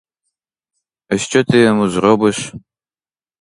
А що ти йому зробиш?